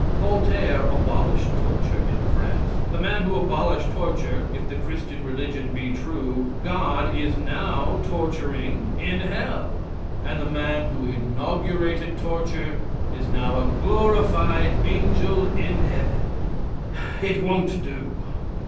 Voltaire abolished torture in France. The man who abolished torture, if the Christian religion be true, God is now torturing in hell; and the man who inaugurated torture, is now a glorified angel in heaven. It won't do.